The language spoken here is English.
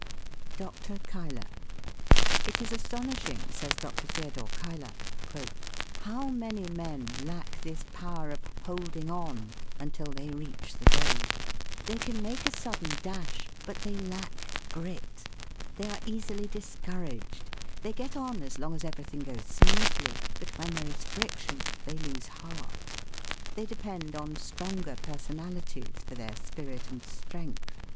DR. CUYLER. "It is astonishing," says Dr. Theodore Cuyler, "how many men lack this power of 'holding on' until they reach the goal. They can make a sudden dash, but they lack grit. They are easily discouraged. They get on as long as everything goes smoothly, but when there is friction they lose heart. They depend on stronger personalities for their spirit and strength.